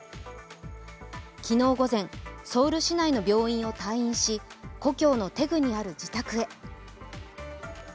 昨日午前、ソウル市内の病院を退院し故郷のテグにある自宅へ。